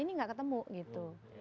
ini tidak ketemu gitu